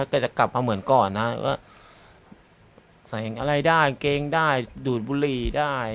แต่จะกลับมาเหมือนก่อนนะว่าใส่อะไรได้กางเกงได้ดูดบุหรี่ได้